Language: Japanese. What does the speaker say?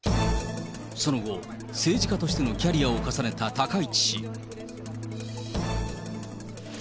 その後、政治家としてのキャリアを重ねた高市氏。